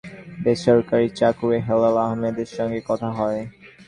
গতকাল সস্ত্রীক মেলায় আসা বেসরকারি চাকুরে হেলাল আহমেদের সঙ্গে কথা হয়।